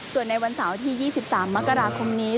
ส่วนในวันเสาร์ที่๒๓มกราคมนี้